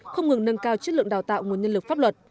không ngừng nâng cao chất lượng đào tạo nguồn nhân lực pháp luật